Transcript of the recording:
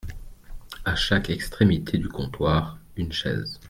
A chaque extrémité du comptoir, une chaise.